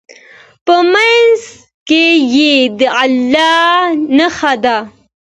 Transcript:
په منځ کې یې د الله نښه ده.